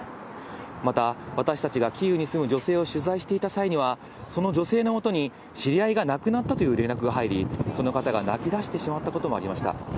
また、私たちがキーウに住む女性を取材していた際には、その女性のもとに知り合いが亡くなったという連絡が入り、その方が泣き出してしまったこともありました。